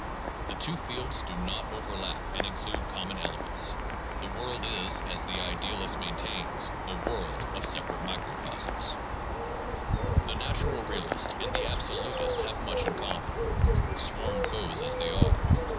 The two fields do not overlap and include common elements ; the world is, as the idealist maintains, a world of separate microcosms. PSYCHOLOGY AND SCIENTIFIC METHODS 369 The natural realist and the absolutist have much in common — sworn foes as they are.